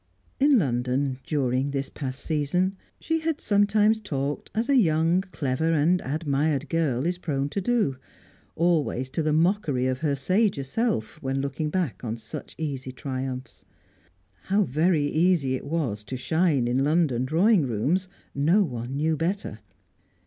In London, during this past season, she had sometimes talked as a young, clever and admired girl is prone to do; always to the mockery of her sager self when looking back on such easy triumphs. How very easy it was to shine in London drawing rooms, no one knew better.